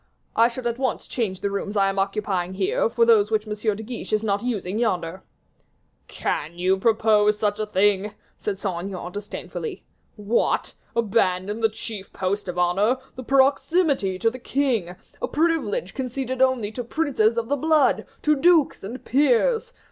"I should at once change the rooms I am occupying here, for those which M. de Guiche is not using yonder." "Can you suppose such a thing?" said Saint Aignan, disdainfully. "What! abandon the chief post of honor, the proximity to the king, a privilege conceded only to princes of the blood, to dukes, and peers!